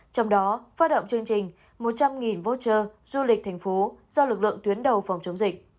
trong đó phát động chương trình một trăm linh voucher du lịch thành phố do lực lượng tuyến đầu phòng chống dịch